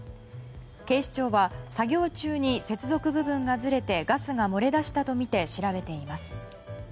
警視庁は作業中に接続部分がずれてガスが漏れ出したとみて調べています。